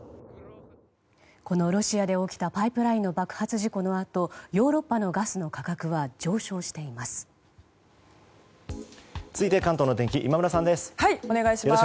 ロシアで起きたパイプラインの爆発のあとヨーロッパのガスの価格は上昇しています。